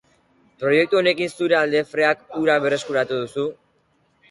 Proiektu honekin zure alde freak hura berreskuratu duzu?